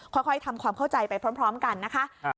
ค่อยทำความเข้าใจไปพร้อมกันนะคะ